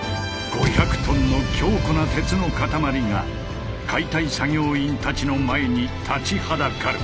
５００ｔの強固な鉄の塊が解体作業員たちの前に立ちはだかる。